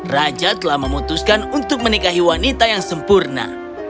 raja telah memutuskan untuk menikahi wanita yang sempurna